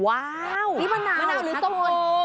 ว้าวนี่มะนาวหรือส้มคน